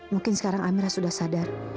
mungkin sekarang amira sudah sadar